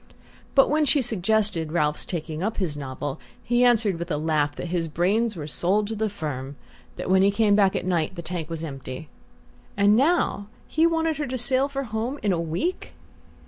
But when she suggested Ralph's taking up his novel he answered with a laugh that his brains were sold to the firm that when he came back at night the tank was empty...And now he wanted her to sail for home in a week!